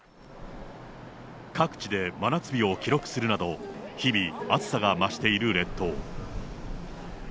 各地で真夏日を記録するなど、日々暑さが増している列島。